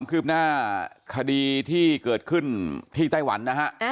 คืบหน้าคดีที่เกิดขึ้นที่ไต้หวันนะฮะ